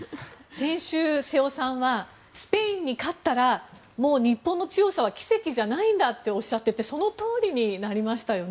先週、瀬尾さんはスペインに勝ったらもう日本の強さは奇跡じゃないんだとおっしゃっていてそのとおりになりましたよね。